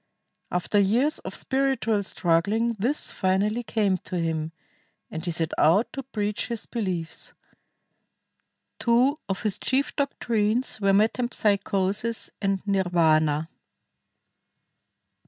After years of spiritual struggling this finally came to him, and he set out to preach his beliefs. Two of his chief doctrines were metempsychosis and nirvana.